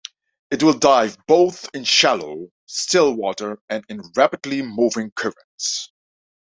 It will dive both in shallow, still water and in rapidly moving currents.